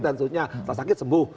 dan seterusnya setelah sakit sembuh